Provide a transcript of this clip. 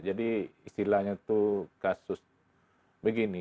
jadi kalau kita bisa mencari kasus kita bisa mencari kasus